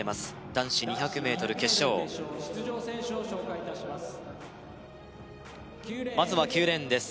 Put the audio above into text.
男子２００ｍ決勝まずは９レーンです